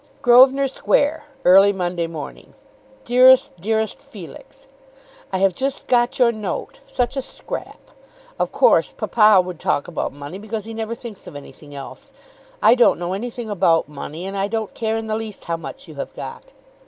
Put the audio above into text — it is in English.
, Grosvenor Square. Early Monday Morning. DEAREST, DEAREST FELIX, I have just got your note; such a scrap! Of course papa would talk about money because he never thinks of anything else. I don't know anything about money, and I don't care in the least how much you have got.